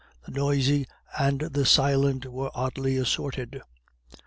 The noisy and the silent were oddly assorted.